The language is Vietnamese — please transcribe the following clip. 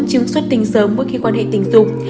chứng suất tinh sớm bước khi quan hệ tình dục